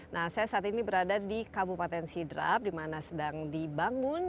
nah saya saat ini berada di kabupaten sidrap di mana sedang dibangun